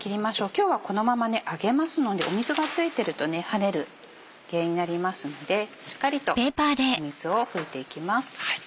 今日はこのまま揚げますので水が付いてると跳ねる原因になりますのでしっかりと水を拭いていきます。